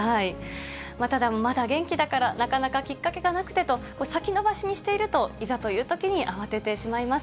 ただ、まだ元気だから、なかなかきっかけがなくてと、先延ばしにしていると、いざというときに慌ててしまいます。